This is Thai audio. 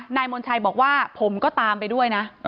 มณชัยบอกว่าผมก็ตามไปด้วยนะ